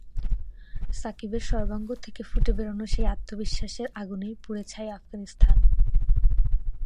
সাকিবের সর্বাঙ্গ থেকে ফুটে বেরোনো সেই আত্মবিশ্বাসের আগুনেই পুড়ে ছাই আফগানিস্তান।